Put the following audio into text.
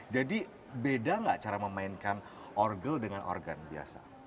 jadi beda nggak cara memainkan orgel dengan organ biasa